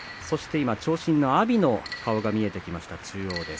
そして、長身の阿炎の顔が見えてきました。